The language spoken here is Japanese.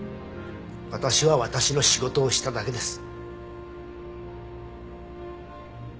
私は私の仕事をしただけです。